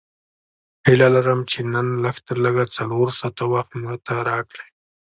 هیله لرم چې نن لږ تر لږه څلور ساعته وخت ماته راکړې.